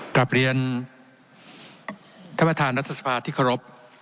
กลับเรียนท่านประธานรัฐสภาที่เคารพ